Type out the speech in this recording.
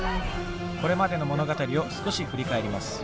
これまでの物語を少し振り返ります。